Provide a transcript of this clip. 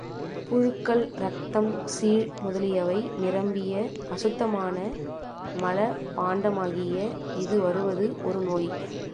புழுக்கள், ரத்தம், சீழ் முதலியவை நிரம்பிய அசுத்தமான மலபாண்டமாகிய இது வருவது ஒரு நோய்.